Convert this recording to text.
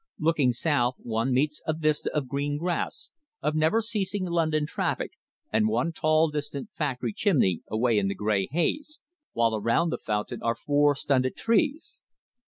Looking south one meets a vista of green grass, of never ceasing London traffic, and one tall distant factory chimney away in the grey haze, while around the fountain are four stunted trees.